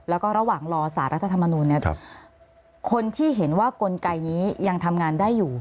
แล้วก็ระหว่างรอสารรัฐธรรมนูลเนี่ยคนที่เห็นว่ากลไกนี้ยังทำงานได้อยู่